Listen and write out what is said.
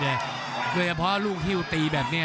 โดยเฉพาะลูกฮิ้วตีแบบนี้